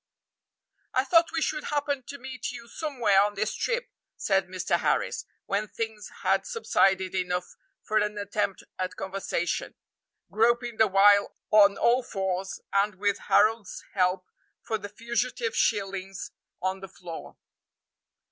"I thought we should happen to meet you somewhere on this trip," said Mr. Harris, when things had subsided enough for an attempt at conversation, groping the while on all fours, and with Harold's help, for the fugitive shillings on the floor.